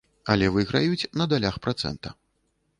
Але выйграюць на далях працэнта.